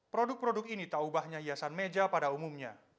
produk produk ini tak ubahnya hiasan meja pada umumnya